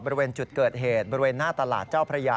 บริเวณจุดเกิดเหตุบริเวณหน้าตลาดเจ้าพระยา